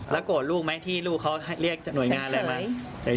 โกรธลูกไหมที่ลูกเขาเรียกหน่วยงานอะไรไหม